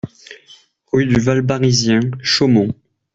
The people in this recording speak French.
Rue du Val Barizien, Chaumont